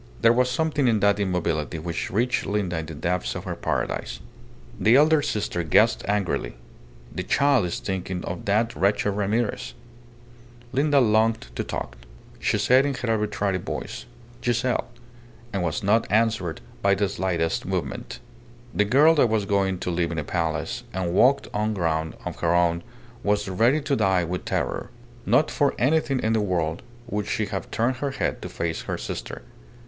There was something in that immobility which reached Linda in the depths of her paradise. The elder sister guessed angrily: the child is thinking of that wretched Ramirez. Linda longed to talk. She said in her arbitrary voice, "Giselle!" and was not answered by the slightest movement. The girl that was going to live in a palace and walk on ground of her own was ready to die with terror. Not for anything in the world would she have turned her head to face her sister.